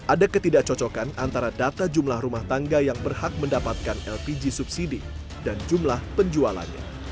ada ketidakcocokan antara data jumlah rumah tangga yang berhak mendapatkan lpg subsidi dan jumlah penjualannya